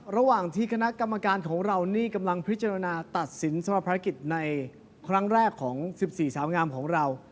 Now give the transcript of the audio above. ระหว่างที่คณะกรรมการของเรานี่กำลังพิจารณาตัดสินสำหรับภารกิจในครั้งแรกของ๑๔สาวงามของเรา